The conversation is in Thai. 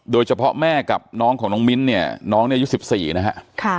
โดยเฉพาะแม่กับน้องของน้องมิ้นน้องนี้อายุ๑๔นะครับ